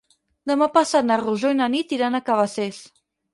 Demà passat na Rosó i na Nit iran a Cabacés.